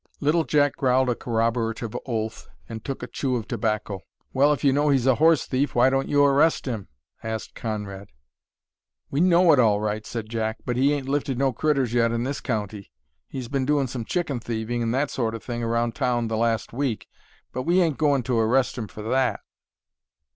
Little Jack growled a corroborative oath, and took a chew of tobacco. "Well, if you know he's a horse thief, why don't you arrest him?" asked Conrad. "We know it all right," said Jack; "but he ain't lifted no critters yet in this county. He's been doin' some chicken thieving and that sort o' thing around town the last week, but we ain't goin' to arrest him for that."